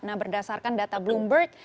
nah berdasarkan data bloomberg